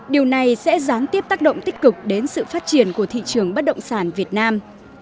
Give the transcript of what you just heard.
điều này sẽ gián tiếp tác động tích cực đến sự phát triển của thị trường bất động sản việt nam